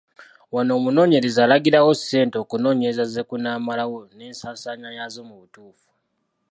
Wano omunoonyereza alagirawo ssente okunoonyereza ze kunaamalawo n’ensaasaanya yaazo mu butuufu.